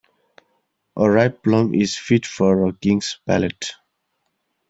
A ripe plum is fit for a king's palate.